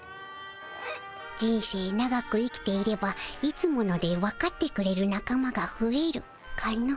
人生長く生きていれば「いつもの」でわかってくれる仲間がふえるかの？